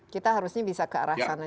kita harusnya bisa ke arah sana